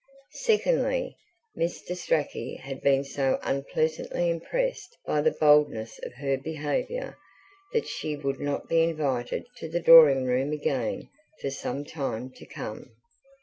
Secondly, Mr. Strachey had been so unpleasantly impressed by the boldness of her behaviour, that she would not be invited to the drawing room again for some time to come.